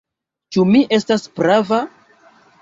Ĉu mi estas prava?"